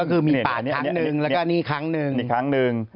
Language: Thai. ก็คือมีปัดครั้งหนึ่งแล้วก็อันนี้ครั้งหนึ่ง